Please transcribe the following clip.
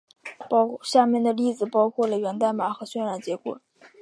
下面的例子包括了源代码和渲染结果。